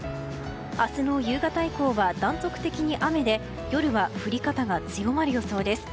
明日の夕方以降は、断続的に雨で夜は降り方が強まる予想です。